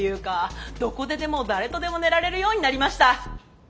どこででも誰とでも寝られるようになりました！